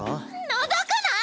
のぞくな！